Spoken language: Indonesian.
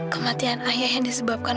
kematian ayah yang disebabkan